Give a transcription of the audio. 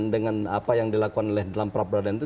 dengan apa yang dilakukan oleh dalam pra peradilan itu